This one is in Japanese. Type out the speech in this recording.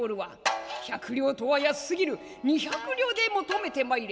１００両とは安すぎる２百両で求めてまいれ。